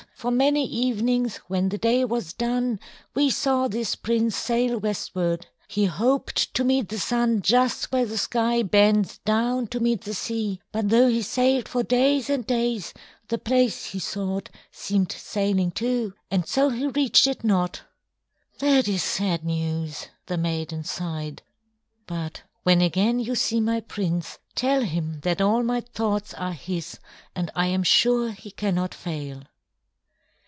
For many evenings when the day was done, we saw this prince sail westward. He hoped to meet the sun just where the sky bends down to meet the sea, but though he sailed for days and days, the place he sought seemed sailing too, and so he reached it not." "That is sad news," the maiden sighed. "But when again you see my prince, tell him that all my thoughts are his, and I am sure he cannot fail."